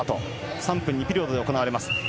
３分２ピリオドで行われます。